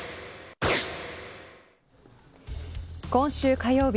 今週火曜日